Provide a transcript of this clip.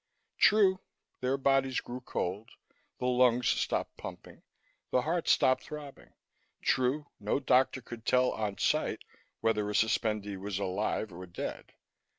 True, their bodies grew cold, the lungs stopped pumping, the heart stopped throbbing; true, no doctor could tell, on sight, whether a suspendee was "alive" or "dead."